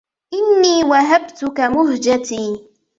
إني وهبتك مهجتي